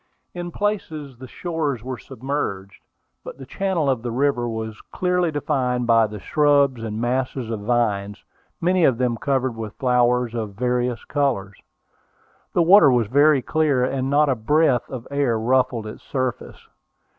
In places the shores were submerged, but the channel of the river was clearly defined by the shrubs and masses of vines, many of them covered with flowers of various colors. The water was very clear, and not a breath of air ruffled its surface.